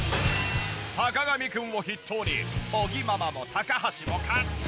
坂上くんを筆頭に尾木ママも高橋もカッチカチ！